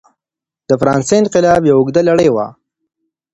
د فرانسې انقلاب یوه اوږده لړۍ وه.